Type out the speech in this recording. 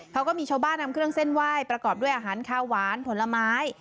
เขาก็มีชาวบ้านนำเครื่องเส้นไหว้ประกอบด้วยอาหารคาวหวานผลไม้